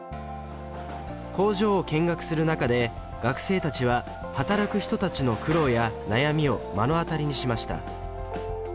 工場を見学する中で学生たちは働く人たちの苦労や悩みを目の当たりにしました。